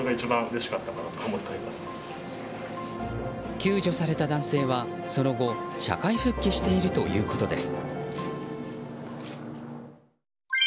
救助された男性は、そのあと社会復帰しているということです。